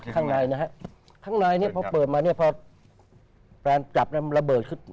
ข้างในพอเปิดมาเนี่ยพอแปรงจับแล้วมันระเบิดขึ้น